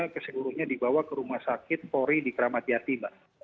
yang keseluruhnya dibawa ke rumah sakit pori di kramat jatiba